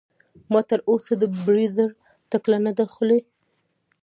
ما تر اوسه د بریځر ټکله نده خودلي.